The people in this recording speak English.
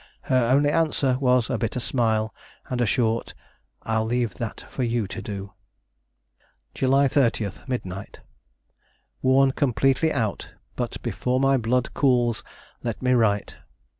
Her only answer was a bitter smile and a short, 'I leave that for you to do.' "July 30. Midnight. Worn completely out, but before my blood cools let me write.